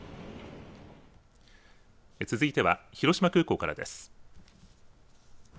続いては広島空港からです。